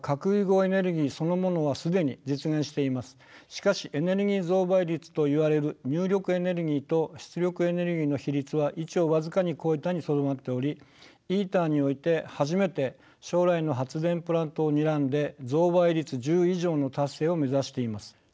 しかしエネルギー増倍率といわれる入力エネルギーと出力エネルギーの比率は１を僅かに超えたにとどまっておりＩＴＥＲにおいて初めて将来の発電プラントをにらんで増倍率１０以上の達成を目指しています。